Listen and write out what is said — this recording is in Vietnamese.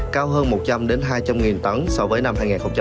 cao hơn một trăm linh hai trăm linh nghìn tấn so với năm hai nghìn hai mươi một